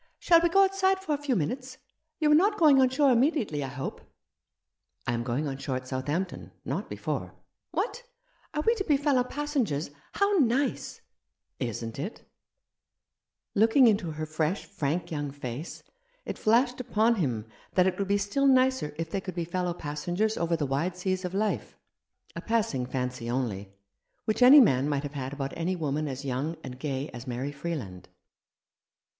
" Shall we go outside for a few minutes ? You are not going on shore immediately, I hope?" "I am going on shore at Southampton — not before !"" What, are we to be fellow passengers ? How nice !"" Isn't it ?" Looking into her fresh, frank young face, it flashed upon him that it would be still nicer if they could be fellow passengers over the wide seas 2 " How should I greet Thee ?" of life — a passing fancy only, which any man might have about any woman as young and gay as Mary Freeland.